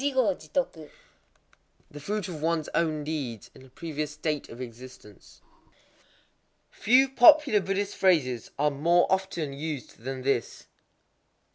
_ The fruit of ones own deeds [in a previous state of existence]. Few popular Buddhist phrases are more often used than this.